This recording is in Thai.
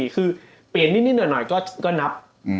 คือเปลี่ยนนิดหน่อยก็นับ